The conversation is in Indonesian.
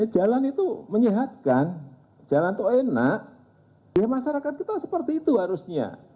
jalan itu menyehatkan jalan itu enak ya masyarakat kita seperti itu harusnya